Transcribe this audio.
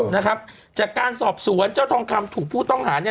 นะครับจากการสอบสวนเจ้าทองคำถูกผู้ต้องหาเนี่ย